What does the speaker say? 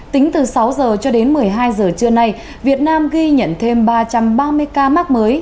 tính từ sáu h cho đến một mươi hai giờ trưa nay việt nam ghi nhận thêm ba trăm ba mươi ca mắc mới